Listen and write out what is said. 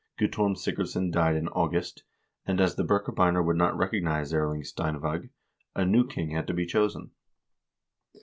Guttorm Sigurdsson died in August, and, as the Birkebeiner would not recognize Erling Stein V«g, a new king had to be chosen.